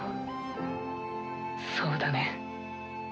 そうだね。